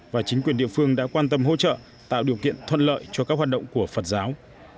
và chính quyền địa phương đã quan tâm hỗ trợ tạo điều kiện thuận lợi cho các hoạt động của phật giáo